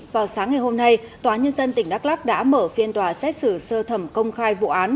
vào sáng ngày hôm nay tòa nhân dân tỉnh đắk lắc đã mở phiên tòa xét xử sơ thẩm công khai vụ án